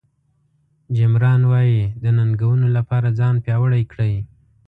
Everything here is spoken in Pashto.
جیم ران وایي د ننګونو لپاره ځان پیاوړی کړئ.